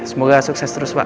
semoga sukses terus pak